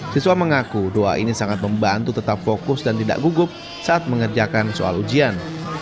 siswa mengaku doa ini sangat membantu tetap fokus dan tidak gugup saat mengerjakan soal ujian